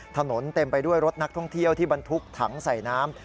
เต็มไปด้วยรถนักท่องเที่ยวที่บรรทุกถังใส่น้ำ